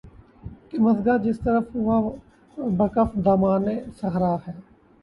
کہ مژگاں جس طرف وا ہو‘ بہ کف دامانِ صحرا ہے